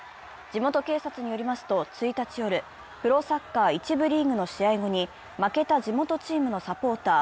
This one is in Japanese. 地元警察によりますと１日夜、プロサッカー１部リーグの試合後に負けた地元チームのサポーター